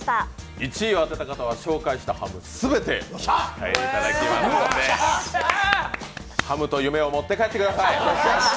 １位を当てた方は紹介したハム全てお持ち帰りいただきますのでハムを夢を持って帰ってください。